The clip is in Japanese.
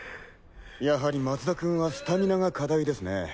やはり松田君はスタミナが課題ですね。